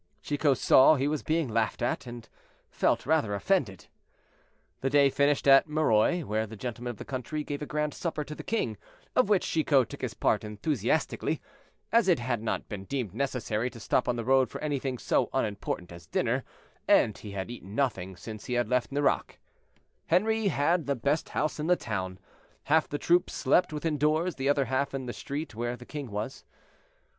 Chicot saw he was being laughed at, and felt rather offended. The day finished at Muroy, where the gentlemen of the country gave a grand supper to the king, of which Chicot took his part enthusiastically, as it had not been deemed necessary to stop on the road for anything so unimportant as dinner, and he had eaten nothing since he had left Nerac. Henri had the best house in the town, half the troop slept within doors, the other half in the street where the king was.